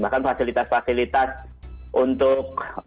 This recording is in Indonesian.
bahkan fasilitas fasilitas untuk